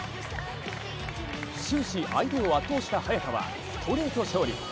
終始相手を圧倒した早田はストレート勝利。